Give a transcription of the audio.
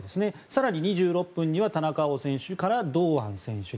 更に２６分には田中碧選手から堂安選手。